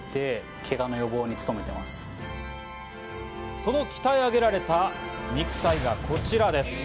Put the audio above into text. その鍛えあげられた肉体がこちらです。